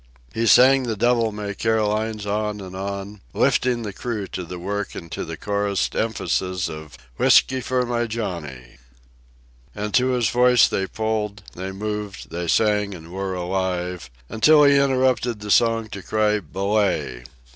He sang the devil may care lines on and on, lifting the crew to the work and to the chorused emphasis of "Whiskey for my Johnny." And to his voice they pulled, they moved, they sang, and were alive, until he interrupted the song to cry "Belay!"